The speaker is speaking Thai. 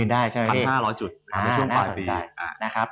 ในช่วงระดับ๑๕๐๐จุดในช่วงปลายปี